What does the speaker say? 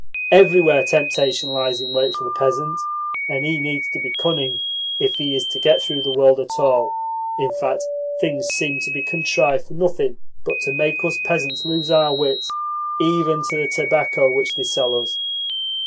Everywhere temptation lies in wait for the peasant, and he needs to be cunning if he is to get through the world at all. In fact, things seem to be contrived for nothing but to make us peasants lose our wits, even to the tobacco which they sell us.